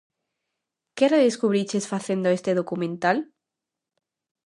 Que redescubriches facendo este documental?